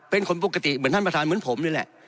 เป็นคนปกติเหมือนท่านประธานเหมือนผมนี่แหละ